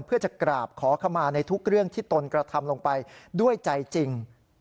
เพื่อจะกราบขอขมาในทุกเรื่องที่ตนกระทำลงไปด้วยใจจริง